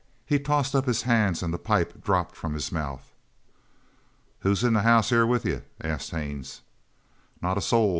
He tossed up his hands and the pipe dropped from his mouth. "Who's in the house here with you?" asked Haines. "Not a soul!"